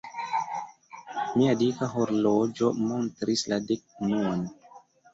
Mia dika horloĝo montris la dek-unuan.